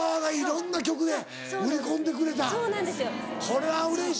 これはうれしい。